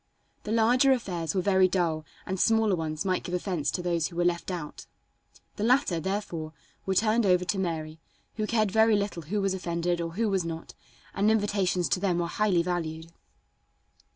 The larger affairs were very dull and smaller ones might give offense to those who were left out. The latter, therefore, were turned over to Mary, who cared very little who was offended or who was not, and invitations to them were highly valued.